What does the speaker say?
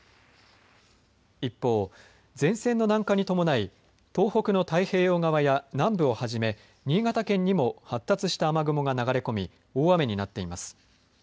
一方、前線の南下に伴い東北の太平洋側や南部をはじめ新潟県にも発達した雨雲が流れ込み大雨になっています。